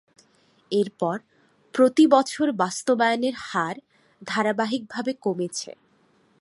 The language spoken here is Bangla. এরপর প্রতিবছর বাস্তবায়নের হার ধারাবাহিকভাবে কমেছে।